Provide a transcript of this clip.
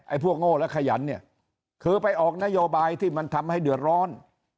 พวกโง่และขยันเนี่ยคือไปออกนโยบายที่มันทำให้เดือดร้อน